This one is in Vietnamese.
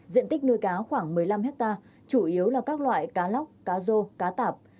diện tích nuôi cá khoảng một mươi năm hectare chủ yếu là các loại cá lóc cá rô cá tạp